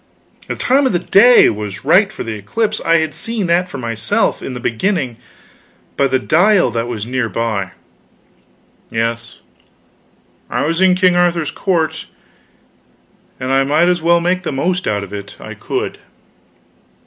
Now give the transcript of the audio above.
The time of the day was right for the eclipse; I had seen that for myself, in the beginning, by the dial that was near by. Yes, I was in King Arthur's court, and I might as well make the most out of it I could.